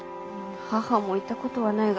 母も行ったことはないが。